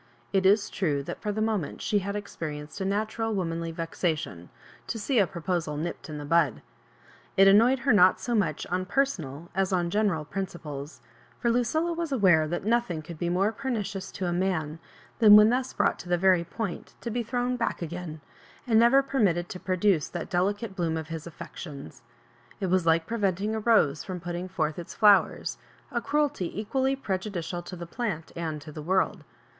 It is true that for the moment she had experienced a natural womanly vexation, to see a proposal nipped in the bud. It annoyed her not so much on personal as on general principles ; for Lucilla was aware that nothing could be more pernicious to a man than when thus brought to the very point to be thrown back again, and never per mitted to produce that delicate bloom of his affectionsL It was like preventing a rose fh>m putting forth its flowers, a cruelty equally pre judicial to the plant and to the world.